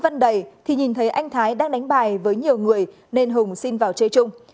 nhìn thấy anh thái đang đánh bài với nhiều người nên hùng xin vào chơi chung